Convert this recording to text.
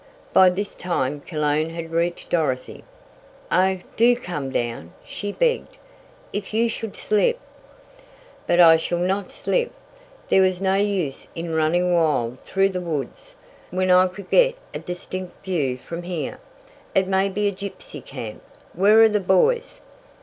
By this time Cologne had reached Dorothy. "Oh, do come down," she begged. "If you should slip " "But I shall not slip. There was no use in running wild through the woods, when I could get a distinct view from here. It may be a gypsy camp. Where are the boys?"